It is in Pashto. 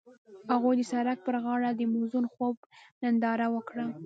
هغوی د سړک پر غاړه د موزون خوب ننداره وکړه.